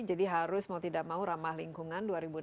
jadi harus mau tidak mau ramah lingkungan